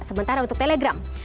sementara untuk telegram